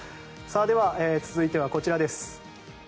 では、続いてはこちらです。